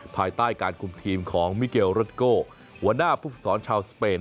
ภายใต้การคุมทีมของมิเกลรถโก้หัวหน้าผู้ฝึกสอนชาวสเปน